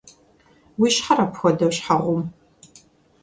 Уи щхьэр апхуэдэу щхьэ гъум?